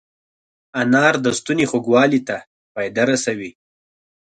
انار د ستوني خوږوالي ته فایده رسوي.